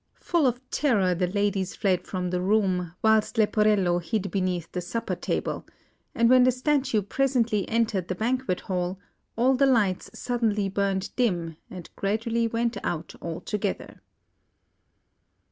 Full of terror, the ladies fled from the room, whilst Leporello hid beneath the supper table; and when the Statue presently entered the banquet hall, all the lights suddenly burnt dim, and gradually went out altogether.